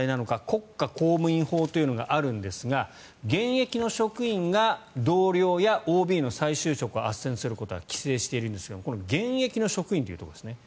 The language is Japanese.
国家公務員法というのがあるんですが現役の職員が同僚やＯＢの再就職をあっせんすることは規制しているんですがこの現役の職員というところですね。